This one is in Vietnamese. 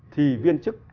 thì viên chức là công chức